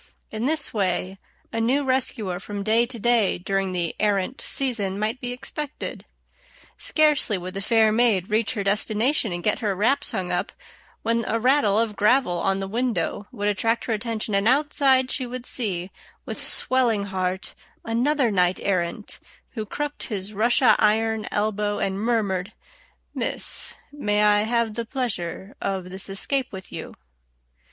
] In this way a new rescuer from day to day during the "errant" season might be expected. Scarcely would the fair maid reach her destination and get her wraps hung up, when a rattle of gravel on the window would attract her attention, and outside she would see, with swelling heart, another knight errant, who crooked his Russia iron elbow and murmured, "Miss, may I have the pleasure of this escape with you?"